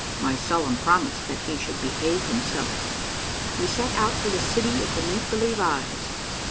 — MY SOLEMN PROMISE THAT HE SHOULD BEHAVE HIM SELF. — WE SET OUT FOR THE CITY OF THE MAKE BELIEVE EYES.